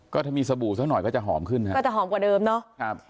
ก็ถ้ามีสบู่สักหน่อยก็จะหอมขึ้นฮะก็จะหอมกว่าเดิมเนาะครับ